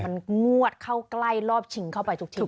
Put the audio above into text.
มันงวดเข้าใกล้รอบชิงเข้าไปทุกที